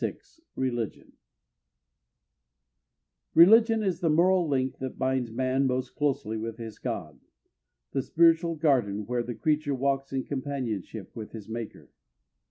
] Religion is the moral link that binds man most closely with his God—the spiritual garden where the creature walks in companionship with his Maker.